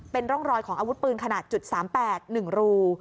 เป็นร่องรอยของอาวุธปืนขนาด๓๘๑รู